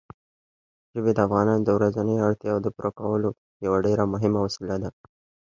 ژبې د افغانانو د ورځنیو اړتیاوو د پوره کولو یوه ډېره مهمه وسیله ده.